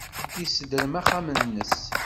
Yessedrem axxam-nnes.